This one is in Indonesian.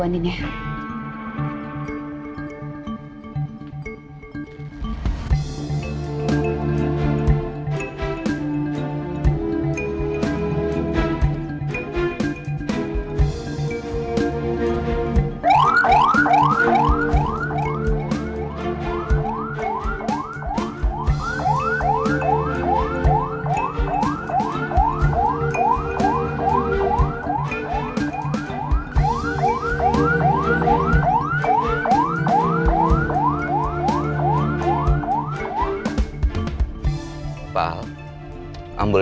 oh yaudah kalau gitu